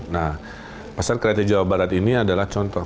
nah pasar kreatif jawa barat ini adalah contoh